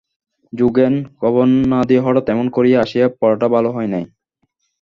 যোগেন, খবর না দিয়া হঠাৎ এমন করিয়া আসিয়া পড়াটা ভালো হয় নাই।